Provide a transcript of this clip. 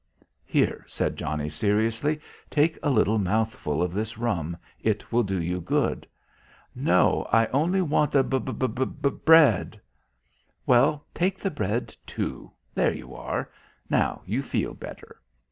"Here," said Johnnie seriously. "Take a little mouthful of this rum. It will do you good." "No; I only want the bub bub bread." "Well, take the bread, too.... There you are. Now you feel better....